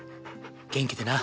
元気でな。